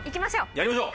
やりましょう！